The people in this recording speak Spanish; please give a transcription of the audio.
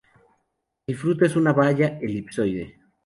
El fruto es una baya elipsoide.